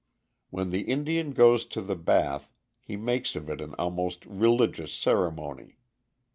When the Indian goes to the bath he makes of it an almost religious ceremony.